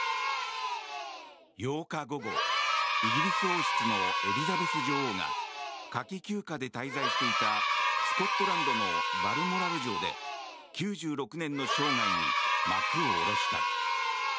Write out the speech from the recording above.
８日午後イギリス王室のエリザベス女王が夏季休暇で滞在していたスコットランドのバルモラル城で９６年の生涯に幕を下ろした。